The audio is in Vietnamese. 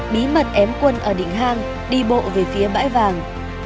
bí mật ém quân ở đỉnh hang đi bộ về phía bãi vàng